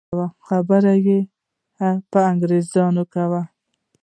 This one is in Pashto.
خبرې يې په انګريزي کولې.